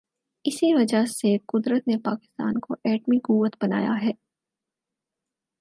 اسی وجہ سے قدرت نے پاکستان کو ایٹمی قوت بنایا ہے۔